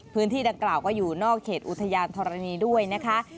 พื้นที่ดังกล่าวก็อยู่นอกเขตอุทยานธรณีด้วยนะคะ